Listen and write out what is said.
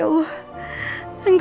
aku mau pergi